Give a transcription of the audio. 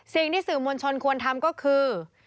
สิ่งที่สื่อมวลชนควรทำก็คือ